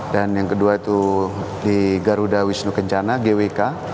dan yang kedua itu di garuda wisnu kencana gwk